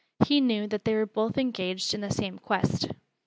He knew that they were both engaged in the same quest.